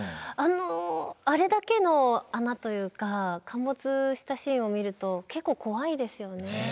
あのあれだけの穴というか陥没したシーンを見ると結構怖いですよね。